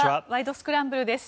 スクランブル」です。